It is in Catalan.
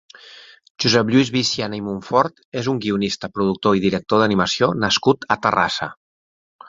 Josep Lluís Viciana i Monfort és un guionista, productor i director d'animació nascut a Terrassa.